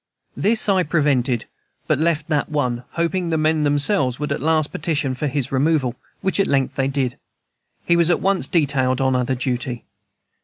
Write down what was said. This I prevented, but left that one, hoping the men themselves would at last petition for his removal, which at length they did. He was at once detailed on other duty.